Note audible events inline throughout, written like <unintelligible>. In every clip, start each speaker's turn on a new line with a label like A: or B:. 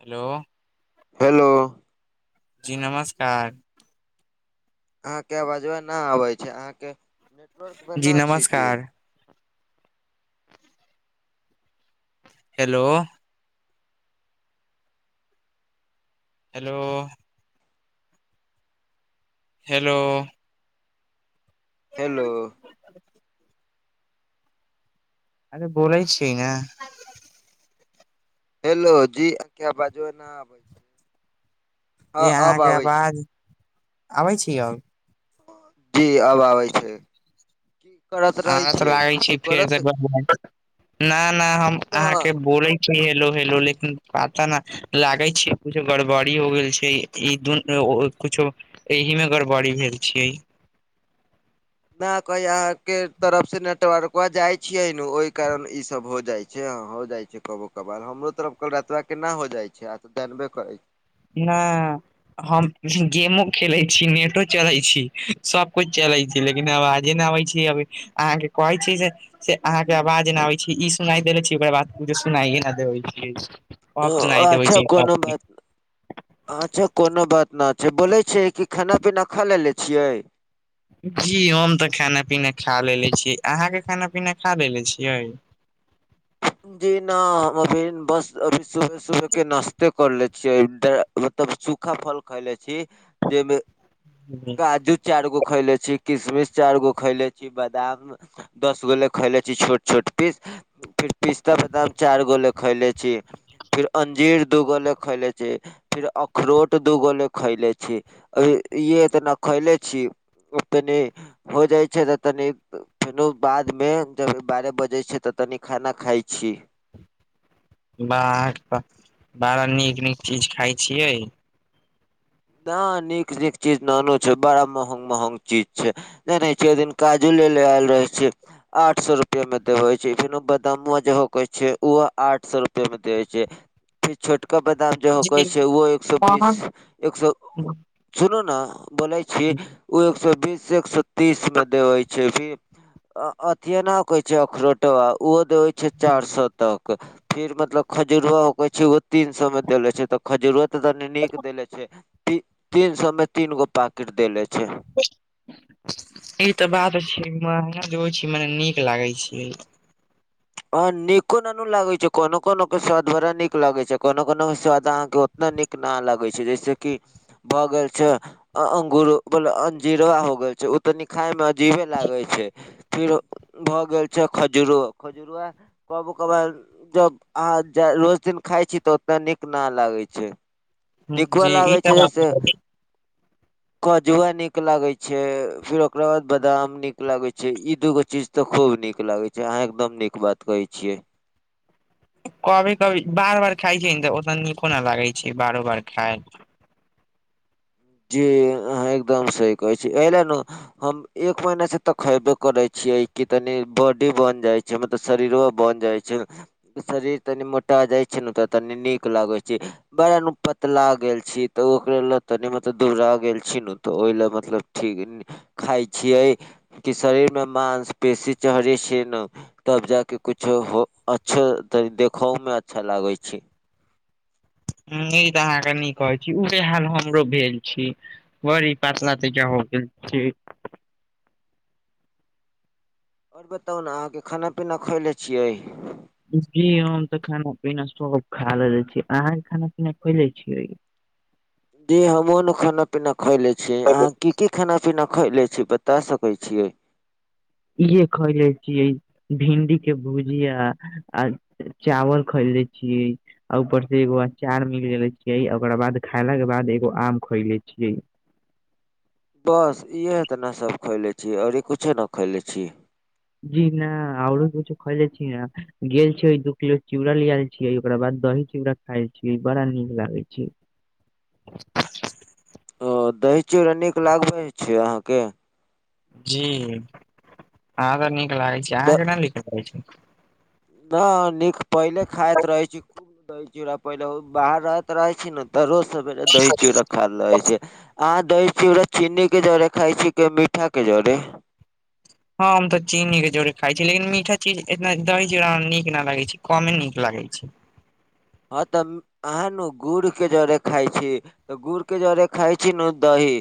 A: Hello.
B: Hello.
A: जी नमस्कार।
B: अहाँके अवाजबा ना आबैय छै, अहाँके नेटवर्क में
A: जी
B: ना छी, की।
A: नमस्कार हेलो हेलो हेलो
B: हेलो
A: <inaudible> अरे बोलैय छियै ने।
B: हेलो जी आंके आबाजो ने आबय-
A: जे अहाँके
B: आबै छै
A: अवाज आबै छी अब?
B: जी, आब आबै छै। की करत रहै
A: अहां त
B: छियै
A: लागै छी,
B: कुछो
A: फेर स
B: करत
A: <unintelligible> ना ना हम
B: न
A: अहाँके
B: न
A: बोलय हेलो-हेलो लेकिन पाता न लागै छै किछो गड़बड़ी हो गेल छै। ई दुन -ओ-ओ-कुछो एहिमे गड़बाड़ी भेल छियै।
B: न कहे अहाँ के तरफ से नेटवरकबा जाय छीयै ने ओहि कारण ई सब हो जाय छै हं हो जाय छै। जे कबौ कभार हमरो तरफ कलरातरा केना हो जाइ छै आं तऽ जानबे करै
A: नऽ हम गेमो खेलै छी नेटो चलय छी सब कुछ चलय छी लेकिन अवाजे ने आबै छै। जी अभी, अहाँके कहै छी जे से अहाँके आवाज नय आबै छै ई सुनाइ देेले छी ओकर बाद कुछो सुनाइए नय देबै छियै।
B: ओ
A: अब सुनाइ देबै
B: अच्छा
A: छै
B: कोनो
A: सब।
B: बात नै। अच्छा कोनो बात न छै। बोलै छियै कि खना पीना खा लेले छियै?
A: जी हम तऽ खाना पीना खा लेले छी अहाँ के खाना पीना खा लेले छियै?
B: जी ना हम अभी बस- अभी सुबह -सुबह के नाश्ते करले छियै। डै- मतलब सूखा फल खैले छी जै में काजू चार गो खयले छी किशमिश चारि गो खयले छी बदाम दस गो ले खैले छी छोट -छोट पीस फिर पिस्ता बादाम चाइर गो ले खैइले छी। फिर अंजीर दूगो ले खैइले छी, फिर अखरोट दूगो ले खैइले छी अभि इ ये- इतना खैइले छी इतनि हो जाय छै तऽ तनी फेनो बाद मे जब बारह बजय छै तऽ तनी खाना खाइ छी।
A: बाह बा- बाड़ा नीक नीक चीज खाइ छियै।
B: नऽ नीक नीक चीज ननो छै बड़ा महग महग चीज छै। <unintelligible> छै ओइ दिन काजु ले ले ऐल रहै छे। आठ स रुपया मे देबे छै फेनो बदामुआ जेहो कै छै ओहो आठ सए रुपया मे देे छै। फिर छोटका बदाम जहो
A: जी
B: कय छै ओहो एक सए बीस एक सए सुनू ने बोलैय छी उ एक सए बीस एक सए तीस में देबय छै <unintelligible> अ-अथिए न कय छै अखरोटबा ओहो दय छै चार सए तक फेर मतलब खजुरआ होकै छै ओ- तीन सौ मे देले छै तो खजूुरुआ त तनी नीक देले छै। ती-तीन सौ में तीन गो पाकेिट देले छै।
A: ई तऽ बात छै महगा देबय छय मने नीक लागै छै।
B: ओह्न निको ननू लागे छै, कोनो कोनो के स्वाद बड़ा नीक लागे छै, कोनो कोनो के स्वाद अहां के-ओ- ना नीक न लगै छै जैसे कि- भ गेल छ, अं-अं -अंगूरबला अंजीराबा हो गइल छै उ तनी खाय में जीह में लागइ छै फिर भऽ गेल छै खजूरो खजुरआ कबो कभार- जब अहाँ ज-रोज दिन खाइ छी तऽ ओते नीक ना लागय छै।
A: जी ई
B: बिकबऽलागै
A: तऽ
B: छै जय
A: बात
B: से
A: छै।
B: काजुआ नीक लागय छै, फिर ओकरा बाद बदाम नीक लागय छै, इ दुूगो चीज तऽ खूब नीक लागय छै, अहाँ एकदम नीक बात कहय छियै।
A: कभी-कभी, बार-बार खाइत छै ने तऽ ओसभ नीको नहि लागैत छै बारो बार खाय
B: जी, अहाँ एकदम सही कहैत छी। एहि लेल ने हम एक महीना से तऽ खयबे करै छियै, कि तनी बॉडी बन जाइ छै मतलब शरीरो बन जाइ छै। शरीर तनी मोटा जाइ छै ने, तऽ तनी नीक लागै छै। बड़ा नु पतला गेल छी, तऽ ओकरे लए तनि मत तऽ दुबरा गेल छी ने, तऽ ओहि लए मतलब ठीक, खाइ छियै ई शरीरमे मांसपेशी चढ़ै छै ने तब जाके कुछो हो अच्छो, तब देखहोमे अच्छा लागै छै।
A: ह्मम, ई तऽ अहाँके नीक कहै छी। उहे हाल हमरो भेल छै। बड़ी पतला तऽ ज हो गेल छियै।
B: और बताउ ने, अहाँके खाना-पीना खएले छियै?
A: जी हम तऽ खाना-पीना सब खा लेलेे छियै। अहाँ खाना-पीना खैले छियै?
B: जी हमहुँ ने खाना-पीना खयले छियै। अहाँ की-की खाना-पीना खइले छियै, बता सकै छियै?
A: इहे खयले छियै। भिण्डी के भुजिया आ चावल खइले छियै। आ ऊपर से एगो अचार भी लेले छियै, ओकरा बाद खाइलाके बाद एगो आम खइले छियै।
B: बस इहे इतना सब खइले छियै, औरे कुछो न खइले छी?
A: जी न औरो कुछो खैले छियै ने। गेल छियै दू किलो चूड़ा ले आइल छियै, ओकरा बाद दही चूड़ा खाइल छियै, बड़ा नीक लागै छै।
B: <inaudible> ओ दही-चूड़ा नीक लागै छै अहाँके?
A: जी अँहा बड़ नीक लागै छै। अहाँके ना नीक लागै छै?
B: न नीक पहिले खाइत रहै छी, खूब दही-चूड़ा पहिले बाहर रहैत रहै छी न तऽ रोज सबेरे दही-चूड़ा खाइल रहै छियै। अहाँ दही-चूड़ा चिन्नी के जरे खाइ छियै कि मीठा के जरे?
A: हाँ हम तऽ चीनी के जरे खाइ छियै, लेकिन मीठा चीज एतना दही-चूड़ा मे नीक न लागै छै। कमे नीक लागै छै।
B: हँ तब अहाँ नु गुड़ के जरे खाइ छी, तऽ गुड़ के जरे खाइ छी न दही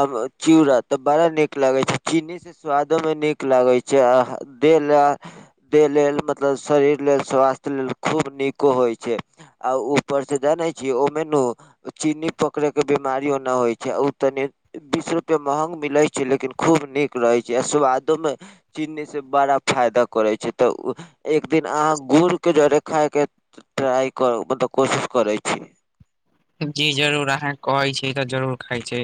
B: आब चूड़ा तऽ बड़ा नीक लागै छै, चिन्नी से स्वादो मे नीक लागै छै आ ह देह लए देह लेल मतलब शरीर लेल, स्वास्थ्य लेल खूब नीको होइ छै। आ ऊपर से जानै छियै, ओ मे नू चिन्नी पकड़यके बिमारियो ना होइ छै, आ ऊ तनि बीस रुपया महंग मिलै छै, लेकिन खूब नीक रहै छै आ स्वादोमे चिन्नीसे बड़ा फायदा करै छै, तऽ उ एक दिन अहाँ गुड़के जरे खाइके ट्राइ करू मतलब कोशिश करै छी।
A: जी जरूर। अहाँ कहै छियै तऽ जरूर खाइ छै।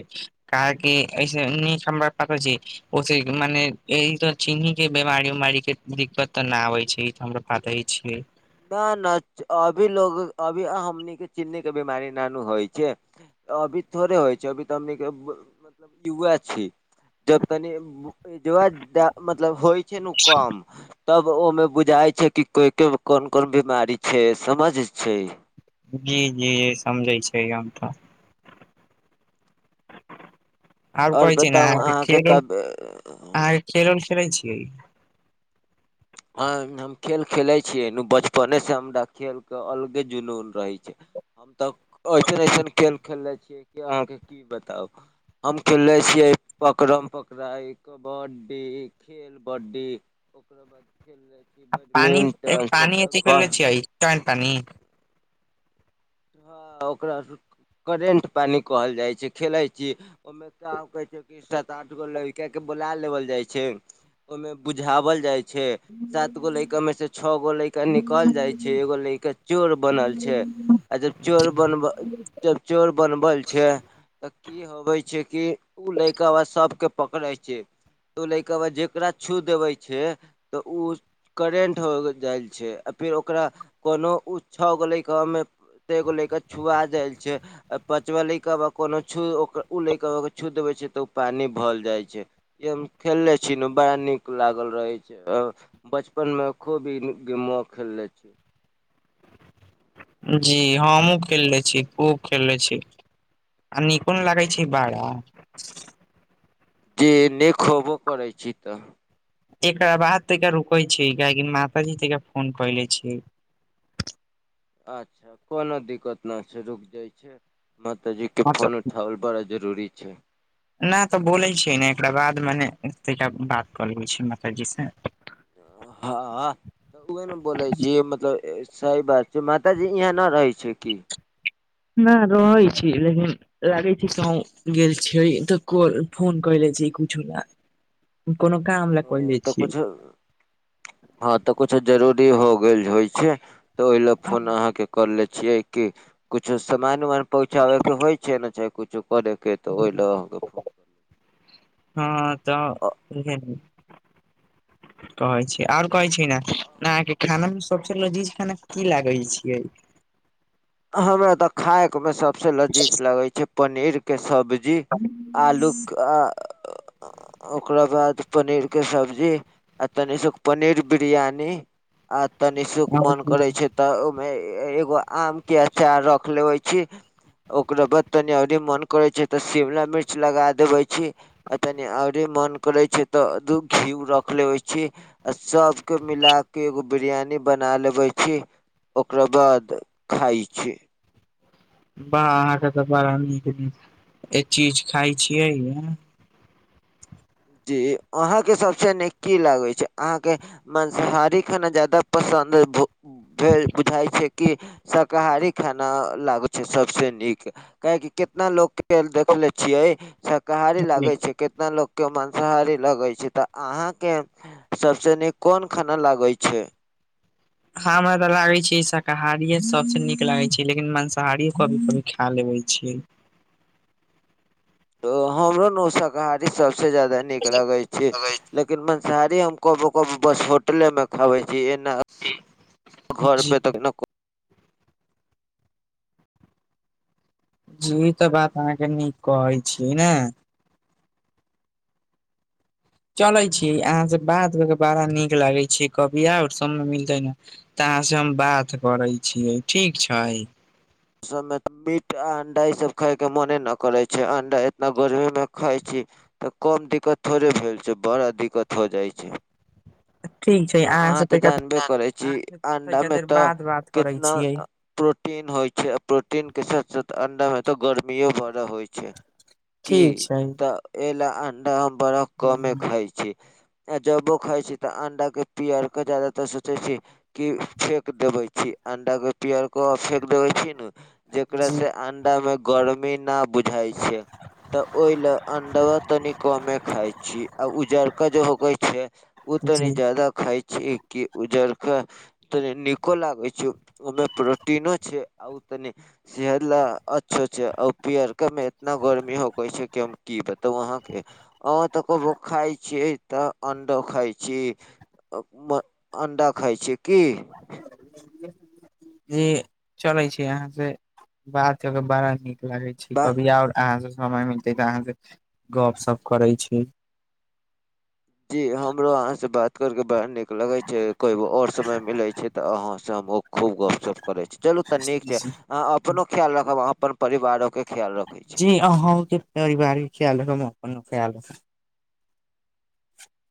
A: काहेकि एहि सँ हमरा पता छी ओसे मने एहिसँ चीन्नी के बीमारी-उमारी के दिक्कत तऽ ना आबै छै ई तऽ हमरो पाताए छियै।
B: ना ना, च् अभी लोग अभी हमनी के चिन्नी के बीमारी ना नु होइ छै। अभी थोड़े होइ छै, अभी तऽ हमनीके मतलब युवा छियै। जब तनी युवा ज मतलब होइ छै नु कम तब ओमे बुझाय छै कि कोइ के कोन-कोन बीमारी छै, समझ छै।
A: जी-जी समझै छियै हम त। आब
B: आओर
A: कहै छि ने
B: बताउ
A: अहांके
B: अहाँके
A: खेल-उल,
B: तब
A: अहांके खेल -उल खेलै छियै।
B: हं हम खेल खेलै छियै नु, बचपने से हमरा खेल के अलगे जुनून रहे छैय। हम तऽ अएसन-अएसन खेल खेलले छियै कि, अहाँके की बताउ। हम खेलले छियै पकड़म-पकड़ाई, कबड्डी खेल बड्डी ओकरा बाद खेल जाइ
A: आ पानि पानी एजे खलने छीयै स्टॉन-पानी
B: हँ ओकरा स करेंट पानी कहल जाइ छैय, खेलय छी। ओमे काम कहै छैय की, सात आठ गो लेइका के, बोला लेवल जाइ छैय। ओयमे बुझावल जाय छैय। सात गो लैका में से छौ गो लैइका निकल जाइ छैय, एगो लैइका चोर बनल छैय। आ जब चोर बनब जब चोर बनबल छैय त की ई होबे छैय कि, उ लैकवा सबके पकड़े छैय। त ऊ लैकवा, जकरा छू देबै छैय तऽ उ। करेन्ट हो जाइल छैय, आ फेर ओकरा कोनो उ छौ गो ल लैकवा मे त एगो लइका छुआ जैल छैय। पँचवा लैइकबा कोनो छू, उ लैइकबा छू देबे छैय त, उ पानी भल जाइ छैय। ई हम खेलले छी नु, बड़ा नीक लागल रहय छैय अ बचपन में खूबी इ गेमुआ खेलले छी।
A: जी हमहुं खेलले छी, खुब खेलले छी। आ निको नहि लागै छै बाड़ा।
B: जी नीक खोबो करै छि त।
A: एकरा बाद तैका रुके छीयै, कियाकि माताजी तैका फोन कइले छीयै।
B: अच्छा कोनो दिक्कत न छै, रुक जाइ छय। माताजी के फोन
A: मतलब
B: उठावल बड़ा जरूरी छै।
A: ना त बोलै छियै ने, एकरा बाद मेने तैंका बात कऽ लेबै छी, माताजी से।
B: हँऽ तऽ उहे ने बोलै छी, मतलब सही बात छै, माताजी इहाँ न रहै छै की?
A: ना रहै छी लेकिन लागै छि कहुं गेल छियै, त को फोन कय लै छी कुछो ला कोनो काम लए
B: ओ
A: कहले
B: तऽ
A: छियै।
B: कुछो हँ तऽ कुछो जरूरी हो गेल होइ छै, तऽ ओहि लै फोन अहाँके कर ले छियै कि, कुछो समान-उमान पहुँचाबै के होइ छै ने चाहे कुछो करे के त ओहि लए अहाँकेँ फोन
A: हँ त
B: अ-
A: इएह नीक।
B: <inaudible>
A: कहै छियै, आओर कहै छिये ना, अहाँके खाना मे सबसे लजीज खाना की लागय छियै।
B: हमरा तऽ खायक में सबस लजीज लागे छै पनीर के सब् जी आलू कऽ ओकरा बाद पनीर के सब्जी। आ तनिसक पनीर बिरयानी आ तनि सुख मन करे छै त, ओमे एगो आम के अचार रख लेबै छी ओकरा बाद तनि ओरी मन करे छै, त शिमला मिर्च लगा देबै छी। आ तनि आउरे मन करै छै त, दू घीउ रख लेबै छी। आ सबके मिला के एगो बिरयानी बना लेबै छी, ओकरा बाद खाइ छै।
A: वाह अहाँके तऽ बड़ा नीक नीक ए चीज खाय छियैये?
B: जी अहाँके सबसे नीक की लागै छै? अहाँके माँंसाहारी खाना जादा पसन्द भ-भेल बुझाय छै कि शाकाहारी खाना लागै छै सबसे नीक। काहेकी केतना लोक खेल देखले छियै शाकाहारी लागै छै, कितना लोक के मांसाहारी लगे छै, तऽ अहां के सबसे नीक कोन खाना लागै छै?
A: खाना तऽ लागै छै शाकाहारिये सबसँ नीक लागै छै, लेकिन मांसाहारीय कभी कभी खा लेबै छीयै।
B: तऽ हमरा न शाकाहारी सबसँ ज्यादा नीक लगै छै, ले लेकिन मंसाहारी हम कबो कबो बस होटले में खबै छी एना, घर
A: जी
B: पे त नको
A: जी ई तऽ बात अहाँके नीक कहै छीयै ने? चलै छी अहाँ से बात कऽ के बड़ा नीक लागै छी, कभी आउ समय मिलतै ने त अहाँ से हम बात करै छियै, ठीक छै?
B: सबमे मीट आ अंडा ई सब खाय के मोने न करै छै, अंडा इतना गर्मी में खाय छी। तऽ कम दिक्कत थोड़े भेल छै? बड़ा दिक्कत हो जाइ छै।
A: ठीक छै
B: आ अहाँ
A: से
B: तऽ
A: तनिका
B: जानबे करै
A: अहाँ
B: छी,
A: से तनिका
B: अंडामे
A: देर
B: तऽ
A: बाद बात करै
B: कितना
A: छियै
B: प्रोटीन होइ छै, आ प्रोटीन के साथ साथ अंडामे तऽ गर्मियो बड़ा होइ छै। की?
A: ठीक छै
B: तऽ ए लैऽ अंडा हम बड़ा कमे
A: हूँ,
B: खाइ छी। आ जबो खाइ छी तऽ अंडा के पीयर के ज्यादातर सोचै छी की फेेक देबै छी, अंडाके पियरको आ फेेक देबै छी न जेकरा
A: जी
B: से अंडा में गर्मी ना बुझाय छै। तऽ ओई लै अंडबा तनि कमे खाइ छी, आ उजरका जे होगै छै ओ तनी
A: जी
B: जादा खाय छी कि उजरका त नीको लागै छै, ओइ में प्रोटीनो छै, आ ओ तनी सेहद लाऽ अच्छो छै, औ पियरका में इतना गर्मी होैकै छै कि हम की बताउ वहाँके? आ त कबो खाय छियै, तऽ अंडो खाय छी। अ-म अण्डा खाइ छियै की?
A: <unintelligible> जी चलै छै, अहाॅं से बात क के बड़ा नीक लागै छि,
B: बाह
A: कभिया और अहाँ स समय मिलते तऽ अहाँ से गप सप करे छी।
B: जी हमरो अहाँ से बात कर के बड़ा नीक लगै छै, कोई ब-और समय मिलै छै तऽ अहाँ स हम ओ खूब गप सप करै छी, चलू तऽ नीक छै। अहॉं अपनो खियाल राखब, अहाँ अपन परिवारो के खियाल रखै छी।
A: अहौं के परिवारी के खिआल राखब हमहुँ अपन खिआल राखब।